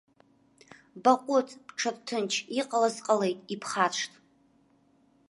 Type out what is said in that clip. Баҟәыҵ, бҽырҭынч, иҟалаз ҟалеит, ибхаршҭ.